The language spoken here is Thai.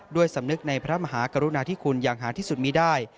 สำนึกในพระมหากรุณาธิคุณอย่างหาที่สุดมีได้